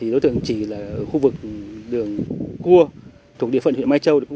đối tượng chỉ là khu vực đường cua thuộc địa phận huyện mai châu